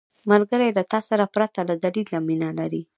ملګری له تا سره پرته له دلیل مینه لري